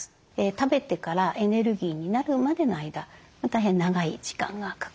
食べてからエネルギーになるまでの間大変長い時間がかかる。